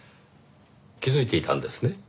気づいていたんですね？